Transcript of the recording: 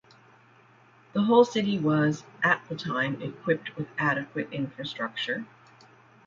The whole city was, at the time, equipped with adequate infrastructure.